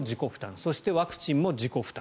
そして、ワクチンも自己負担。